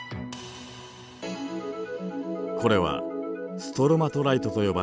これはストロマトライトと呼ばれる岩石。